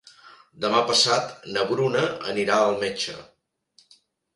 Demà passat na Bruna anirà al metge.